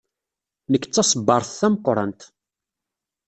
Nekk d taṣebbart tameqrant.